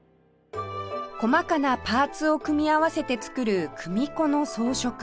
細かなパーツを組み合わせて作る組子の装飾